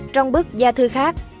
trong bức gia thư khát